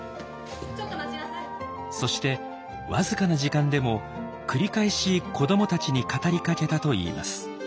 そしてわずかな時間でも繰り返し子どもたちに語りかけたといいます。